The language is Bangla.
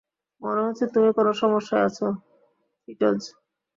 মনে হচ্ছে তুমি কোনো সমস্যায় আছ, ফিটজ।